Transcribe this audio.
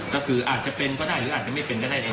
ก็คืออาจจะเป็นก็ได้หรืออาจจะไม่เป็นก็ได้